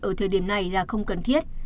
ở thời điểm này là không cần thiết